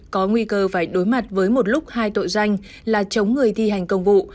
có nguy cơ phải đối mặt với một lúc hai tội danh là chống người thi hành công vụ